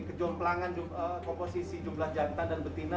kejauhan pelangan komposisi jumlah jantan dan betina